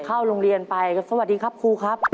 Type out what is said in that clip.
เข้าโรงเรียนไปสวัสดีครับครูครับ